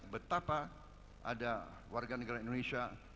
betapa ada warga negara indonesia